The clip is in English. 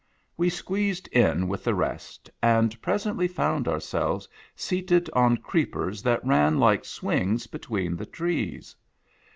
We squeezed in with the rest, and presently found ourselves seated on creepers that ran like swings between the trees.